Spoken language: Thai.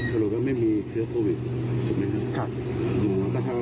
ถ้าสรุปก็ไม่มีเครื่องโควิดใช่ไหมครับครับอืม